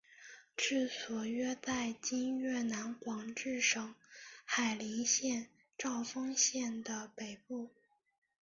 治所约在今越南广治省海陵县和肇丰县的北部。